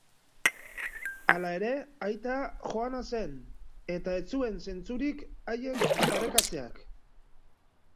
Hala ere, aita joana zen, eta ez zuen zentzurik haiek parekatzeak.